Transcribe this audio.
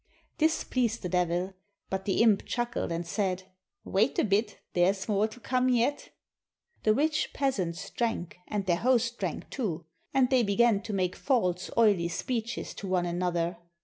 This pleased theDevil: but the imp chuckled and said, "Wait a bit, there's more to come yet!" The rich peasants drank, and their host drank, too. And they began to make false, oily speeches to one an other.